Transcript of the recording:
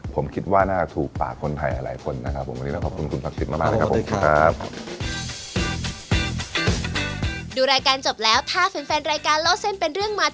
ผมคิดว่าน่าถูกปากคนไทยหลายคนนะครับ